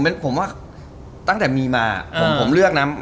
ผมว่าตั้งแต่มีมาผมผมเลือกนะ